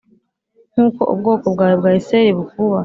nk’uko ubwoko bwawe bwa isirayeli bukubaha,